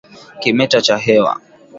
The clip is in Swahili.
Kimeta cha hewa